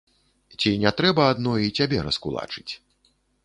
Ці не трэба адно і цябе раскулачыць?